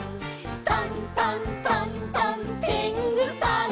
「トントントントンてんぐさん」